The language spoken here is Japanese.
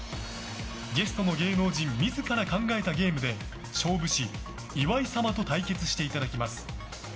ゲストの芸能人自ら考えたゲームで勝負師・岩井様と対決していただきます。